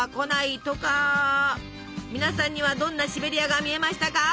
皆さんにはどんなシベリアが見えましたか？